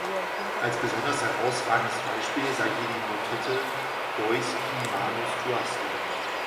Als besonders herausragendes Beispiel sei hier die Motette „Deus qui manus tuas“ genannt.